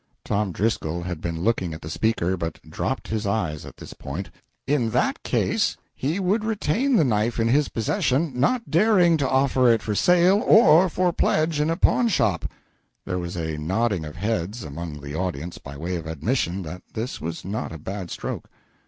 [Tom Driscoll had been looking at the speaker, but dropped his eyes at this point.] In that case he would retain the knife in his possession, not daring to offer it for sale, or for pledge in a pawn shop. [There was a nodding of heads among the audience by way of admission that this was not a bad stroke.